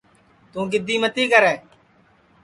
توں گیدی متی کرے